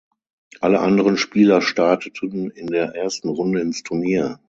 Alle anderen Spieler starteten in der ersten Runde ins Turnier.